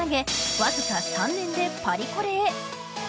わずか３年でパリコレへ。